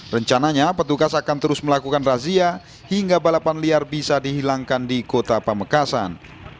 rencananya petugas akan terus melakukan razia hingga balapan liar bisa dihilangkan di kota pamekasan